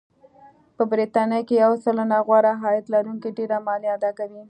په بریتانیا کې یو سلنه غوره عاید لرونکي ډېره مالیه اداکوي